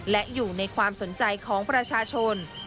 และอยู่ในความสนใจของประชาชน